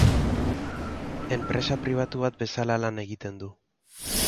Enpresa pribatu bat bezala lan egiten du.